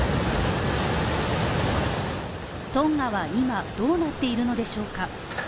トンガは今どうなっているのでしょうか？